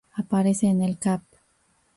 Aparece en el cap.